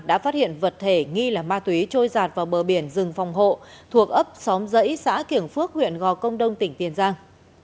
đã phát hiện vật thể nghi là ma túy trôi giạt vào bờ biển rừng phòng hộ thuộc ấp xóm dãy xã kiểng phước huyện gò công đông tỉnh tiền giang